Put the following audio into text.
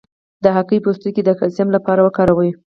د هګۍ پوستکی د کلسیم لپاره وکاروئ